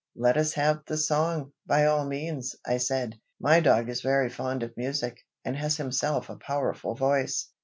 "Let us have the song, by all means," I said. "My dog is very fond of music, and has himself a powerful voice."